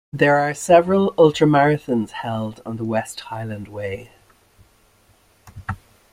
There are several ultramarathons held on the West Highland Way.